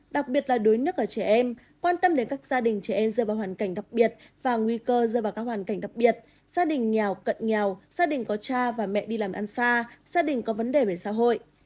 trẻ em dơ vào hoàn cảnh đặc biệt và nguy cơ dơ vào các hoàn cảnh đặc biệt gia đình nghèo cận nghèo gia đình có cha và mẹ đi làm ăn xa gia đình có vấn đề về xã hội